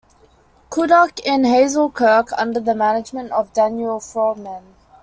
Couldock in "Hazel Kirke" under the management of Daniel Frohman.